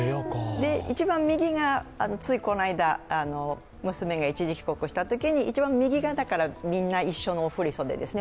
一番右がついこの間、娘が一時帰宅したときに一番右がみんな一緒の振り袖ですね。